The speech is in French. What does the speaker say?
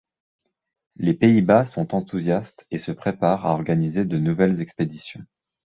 Les Pays-Bas sont enthousiastes et se préparent à organiser de nouvelles expéditions.